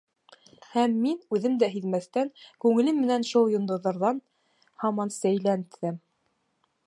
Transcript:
Һәм мин, үҙем дә һиҙмәҫтән, күңелем менән шул йондоҙҙарҙан һаман сәйлән теҙәм.